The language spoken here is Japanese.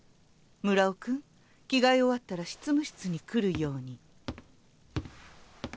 村尾君着替え終わったら執務室に来るように。